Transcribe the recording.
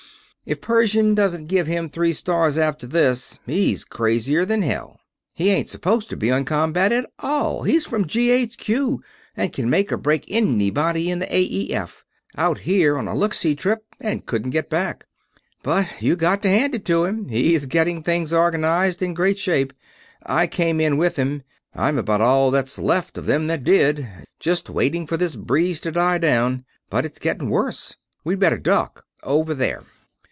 If Pershing doesn't give him three stars after this, he's crazier than hell. He ain't supposed to be on combat at all he's from GHQ and can make or break anybody in the AEF. Out here on a look see trip and couldn't get back. But you got to hand it to him he's getting things organized in great shape. I came in with him I'm about all that's left of them that did just waiting for this breeze to die down, but its getting worse. We'd better duck over there!"